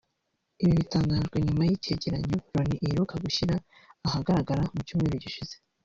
Ibi bitangajwe nyuma y’icyegeranyo Loni iheruka gushyira ahagaragara mu cyumweru gishize